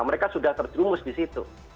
mereka sudah terjerumus di situ